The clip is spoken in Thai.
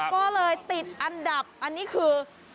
ก็เลยติดอันดับอันนี้คือ